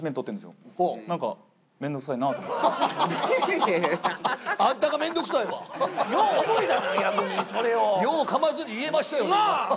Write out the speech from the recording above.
よう噛まずに言えましたよ。